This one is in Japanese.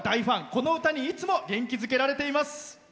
この歌にいつも元気づけられています。